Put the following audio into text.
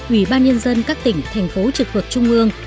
ủy ban nhân dân các tỉnh thành phố trực thuộc trung ương